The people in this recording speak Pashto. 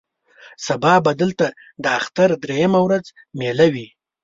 سبا به دلته د اختر درېیمه ورځ مېله وي.